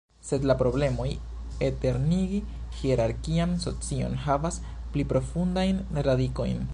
Sed la problemoj eternigi hierarkian socion havas pli profundajn radikojn.